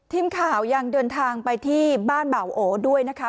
ทีมข่าวยังเดินทางไปที่บ้านเบาโอด้วยนะคะ